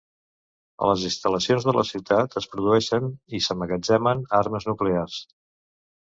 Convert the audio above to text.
A les instal·lacions de la ciutat es produeixen i s'emmagatzemen armes nuclears.